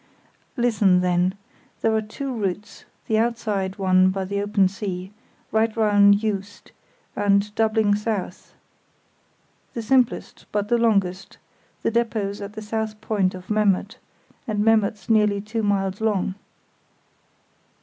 "Listen then—there are two routes: the outside one by the open sea, right round Juist, and doubling south—the simplest, but the longest; the depôt's at the south point of Memmert, and Memmert's nearly two miles long."